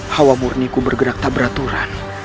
hawa murniku bergerak tak beraturan